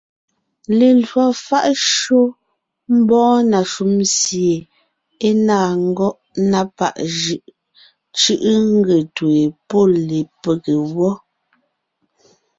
Lelwò fáʼ shÿó mbɔɔ na shúm sie é ne ńnáa ngɔ́ʼ na páʼ jʉʼ cʉ́ʼʉ nge ńtween pɔ́ lepége wɔ́.